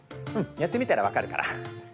うんやってみたら分かるから。